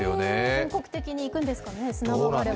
全国的に行くんですかね、砂場があれば。